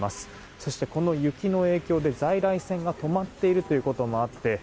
そして、この雪の影響で在来線が止まっているということもあって